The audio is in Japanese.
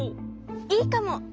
いいかも！